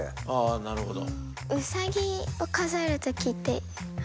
あなるほど。